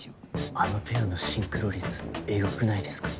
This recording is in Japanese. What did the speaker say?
あのペアのシンクロ率エグくないですか？